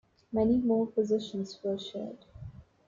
Many more positions were shared.